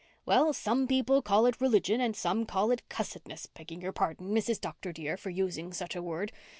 "Well, some people call it religion and some call it cussedness, begging your pardon, Mrs. Dr. dear, for using such a word.